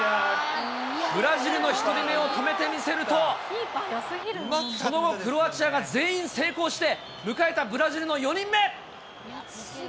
ブラジルの１人目を止めてみせると、その後、クロアチアが全員成功して、迎えたブラジルの４人目。